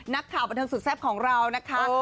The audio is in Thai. นักข่าวบันเทิงสุดแซ่บของเรานะคะ